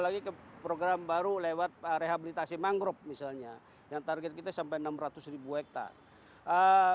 lagi ke program baru lewat rehabilitasi mangrove misalnya yang target kita sampai enam ratus ribu hektare